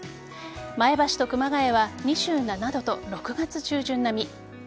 前橋と熊谷は２７度と６月中旬並み。